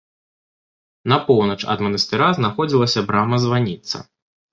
На поўнач ад манастыра знаходзілася брама-званіца.